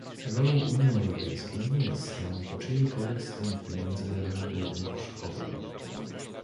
Rolą Unii Europejskiej nie jest stawanie po czyjejkolwiek stronie w tym międzynarodowym pojedynku szachowym